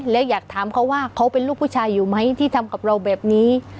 แล้วอยากถามเขาว่าเขาเป็นลูกผู้ชายอยู่ไหมที่ทำกับเราแบบนี้